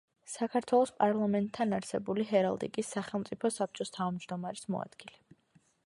საქართველოს პარლამენტთან არსებული ჰერალდიკის სახელმწიფო საბჭოს თავმჯდომარის მოადგილე.